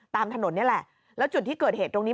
ตามถนนนี่แหละแล้วจุดที่เกิดเหตุตรงนี้